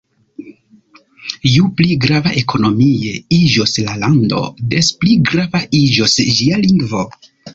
Ju pli grava ekonomie iĝos la lando, des pli grava iĝos ĝia lingvo.